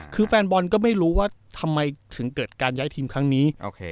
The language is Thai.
คือแฟนบอลก็ไม่รู้ว่าทำไมถึงเกิดการย้ายทีมครั้งนี้